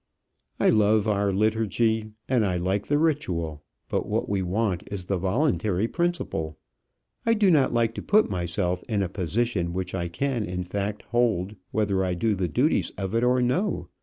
"I love our liturgy, and I like the ritual; but what we want is the voluntary principle. I do not like to put myself in a position which I can, in fact, hold whether I do the duties of it or no.